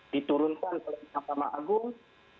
diturunkan oleh pihak sama agung